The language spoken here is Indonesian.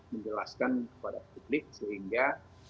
menjelaskan kepada publik sehingga